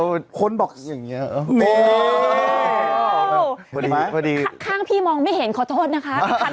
มีขันตรงนี้ได้ไหมคะตรงแบงก์ลิง